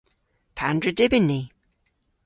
Pandr'a dybyn ni?